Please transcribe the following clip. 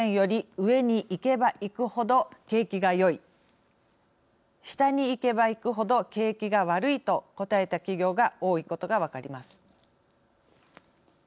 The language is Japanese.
下にいけばいくほど景気が悪いと答えた企業が多いことが分かります。